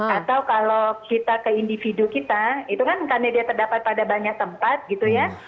atau kalau kita ke individu kita itu kan karena dia terdapat pada banyak tempat gitu ya